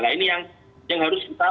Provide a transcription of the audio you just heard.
nah ini yang harus kita